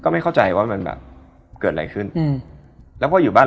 ไม่ต่างเลย